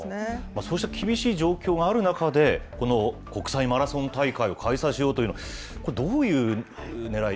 そうした厳しい状況がある中で、この国際マラソン大会を開催しようというのは、これ、どういうねらい？